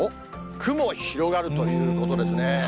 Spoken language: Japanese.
雲広がるということですね。